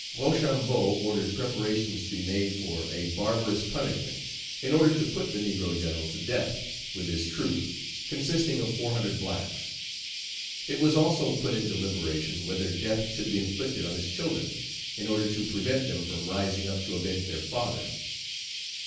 Rochambeau ordered preparations to be made for a barbarous punishment in order to put the negro general to death, with his troop, consisting of 400 blacks. It was also put in deliberation whether death should be inflicted on his children, Page 260 in order to prevent them from rising up to avenge their father.